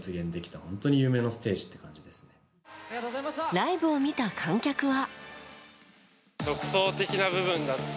ライブを見た観客は。